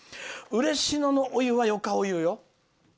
嬉野のお湯は、よかお湯よ。